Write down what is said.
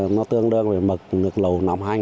nó tương đương với mực nước lầu năm hai nghìn